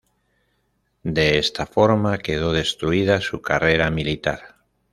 De esta forma quedó destruida su carrera militar.